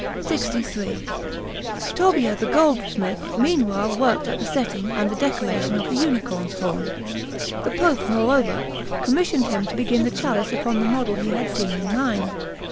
Note 1. 'Le più isvenevole carezze d'asino.' LXIII TOBBIA the goldsmith meanwhile worked at the setting and the decoration of the unicorn's horn. The Pope, moreover, commissioned him to begin the chalice upon the model he had seen in mine.